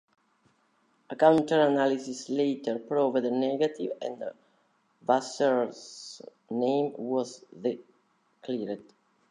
A counter-analysis later proved negative and Vasseur's name was then cleared.